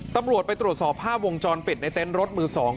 ตำรวจไปตรวจสอบภาพวงจรปิดในเต็นต์รถมือ๒